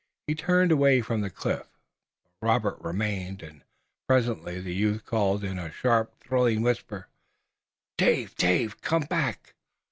He turned away from the cliff, but Robert remained, and presently the youth called in a sharp thrilling whisper: "Dave! Dave! Come back!"